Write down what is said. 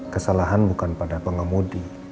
kesalahan bukan pada pengemudi